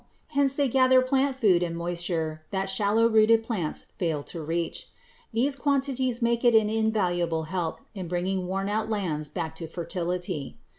Hence they gather plant food and moisture that shallow rooted plants fail to reach. These qualities make it an invaluable help in bringing worn out lands back to fertility.